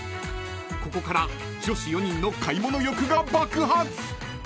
［ここから女子４人の買い物欲が爆発！］